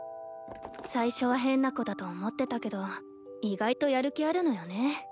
最初は変な子だと思ってたけど意外とやる気あるのよね。